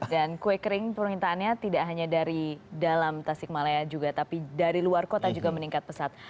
dan kue kering permintaannya tidak hanya dari dalam tasikmalaya juga tapi dari luar kota juga meningkat pesat